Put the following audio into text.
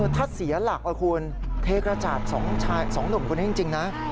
ถ้าเสียหลักคุณเทกระจาด๒หนุ่มคนนี้จริงนะ